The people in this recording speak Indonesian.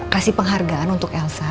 kasih penghargaan untuk elsa